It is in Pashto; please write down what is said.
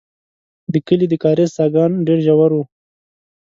د کلي د کاریز څاګان ډېر ژور وو.